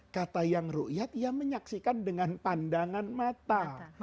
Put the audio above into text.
kata yang rukyat ya menyaksikan dengan pandangan mata